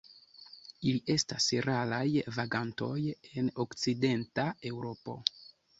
Ili estas raraj vagantoj en Okcidenta Eŭropo.